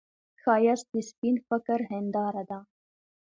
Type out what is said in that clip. ښایست د سپين فکر هنداره ده